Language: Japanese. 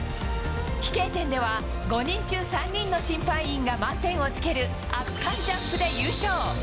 飛型点では、５人中３人の審判員が満点をつける、圧巻ジャンプで優勝。